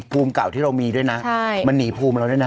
ภูมิเก่าที่เรามีด้วยนะมันหนีภูมิเราด้วยนะ